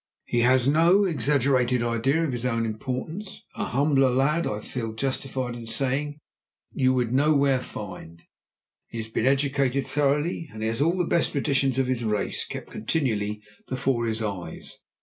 "He has no exaggerated idea of his own importance; a humbler lad, I feel justified in saying, you would nowhere find. He has been educated thoroughly, and he has all the best traditions of his race kept continually before his eyes.